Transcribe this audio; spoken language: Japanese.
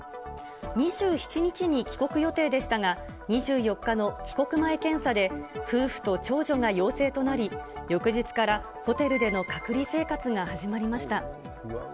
２７日に帰国予定でしたが、２４日の帰国前検査で夫婦と長女が陽性となり、翌日からホテルでの隔離生活が始まりました。